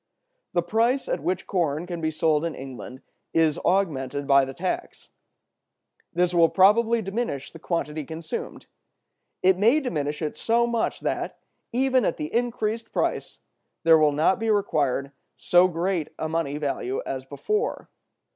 The price at which corn can be sold in England is augmented by the tax. This will probably diminish the quantity consumed. It may diminish it so much that, even at the increased price, there will not be required so great a money value as before.